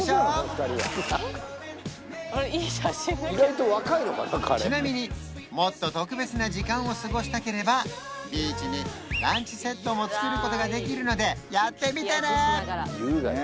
彼ちなみにもっと特別な時間を過ごしたければビーチにランチセットも作ることができるのでやってみてね！